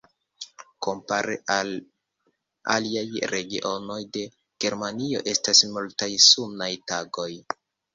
Kompare al aliaj regionoj de Germanio estas multaj sunaj tagoj.